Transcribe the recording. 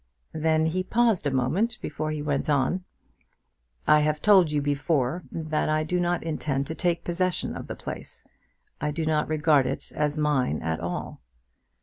Then he paused a moment before he went on. "I have told you before that I do not intend to take possession of the place. I do not regard it as mine at all."